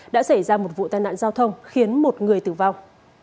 đã xảy ra một vụ tai nạn giao thông khiến một người tử vong